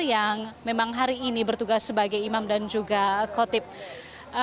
yang memang hari ini bertugas sebagai imam dan juga khotib